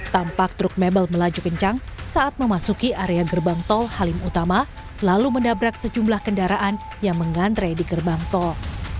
tampak truk mebel melaju kencang saat memasuki area gerbang tol halim utama lalu menabrak sejumlah kendaraan yang mengantre di gerbang tol